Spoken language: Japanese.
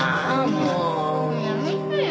もうやめてよ！